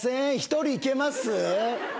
１人いけます？